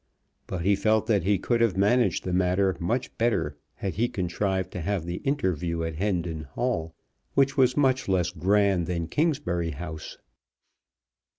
But he felt that he could have managed the matter much better had he contrived to have the interview at Hendon Hall, which was much less grand than Kingsbury House.